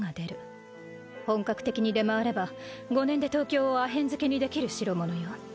本格的に出回れば５年で東京をアヘン漬けにできる代物よ。